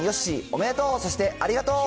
おめでとう、そしてありがとう。